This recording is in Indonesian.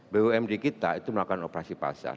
bumd kita itu melakukan operasi pasar